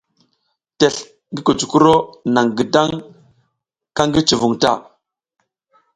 Tesl ngi kucukuro naƞ gidang ka ki cuvun ta.